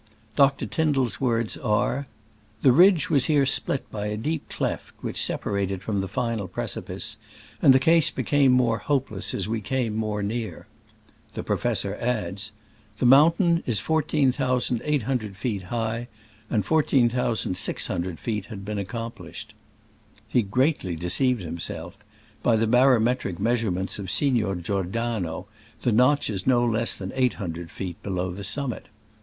Dr. Tyn dall's words are : "The ridge was here split by a deep cleft which separated it from the final precipice, and the case became more hopeless as we came more near." The professor adds: "The mountain is 14,800 feet high, and 14,600 feet had been acomplished." He great ly deceived himself: by the barometric measurements of Signor Giordano the notch is no less than 800 feet below the summit.